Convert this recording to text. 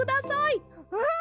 うん！